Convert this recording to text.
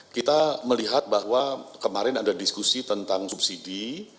kita melihat bahwa kemarin ada diskusi tentang subsidi